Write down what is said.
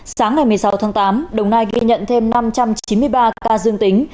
sáng ngày một mươi sáu tháng tám đồng nai ghi nhận thêm năm trăm chín mươi ba ca dương tính